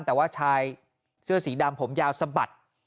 แต่ว่าชายเสื้อสีดำผมยาวสะบัด